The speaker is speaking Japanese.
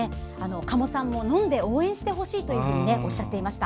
加茂さんも飲んで応援してほしいとおっしゃっていました。